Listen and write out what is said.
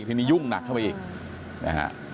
ทีนี้ยุ่งหนักเข้าไปอีกนะฮะ